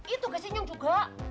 itu kesinyung juga